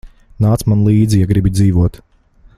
Nāc man līdzi, ja gribi dzīvot.